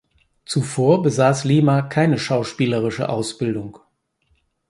Zuvor besaß Lima keine schauspielerische Ausbildung.